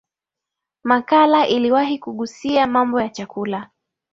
makala iliwahi kugusia mambo ya chakula